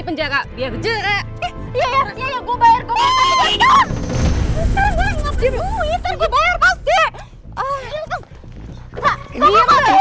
kak kakak mau jamin gua dong